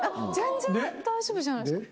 漢大丈夫じゃないですか。